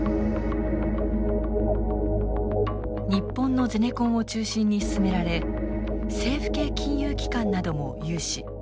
日本のゼネコンを中心に進められ政府系金融機関なども融資。